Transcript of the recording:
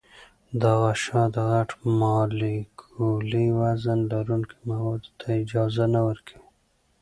دا غشا د غټ مالیکولي وزن لرونکو موادو ته اجازه نه ورکوي.